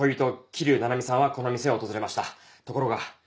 桐生菜々美さんはこの店を訪れましたところが。